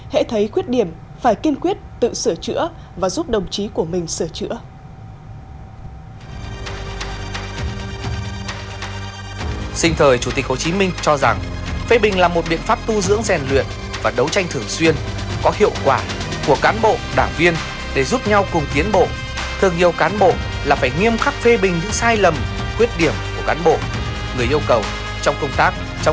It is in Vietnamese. hãy thấy khuyết điểm phải kiên quyết tự sửa chữa và giúp đồng chí của mình sửa chữa